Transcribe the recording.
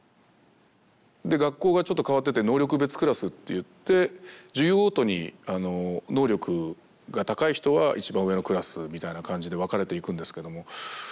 で学校がちょっと変わってて能力別クラスっていって授業ごとに能力が高い人は一番上のクラスみたいな感じで分かれていくんですけども。